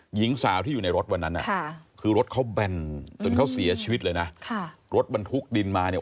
หญิงสาวที่อยู่ในรถวันนั้นคือรถเขาแบนจนเขาเสียชีวิตเลยนะค่ะรถบรรทุกดินมาเนี่ย